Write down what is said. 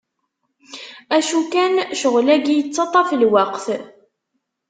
Acu kan, ccɣel-agi yettaṭṭaf lweqt.